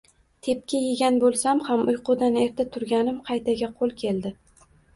Tepki yegan bo‘lsam ham, uyqudan erta turganim, qaytaga, qo‘l keldi